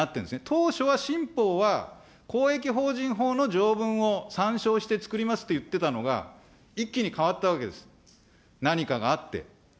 当初は新法は、公益法人法の条文を参照して作りますって言ってたのが、一気に変わったわけです、何かがあって。